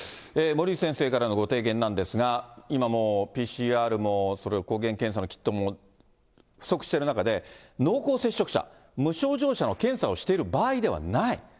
森内先生からのご提言なんですが、今もう、ＰＣＲも、抗原検査のキットも不足している中で、濃厚接触者、無症状者の検査をしている場合ではない。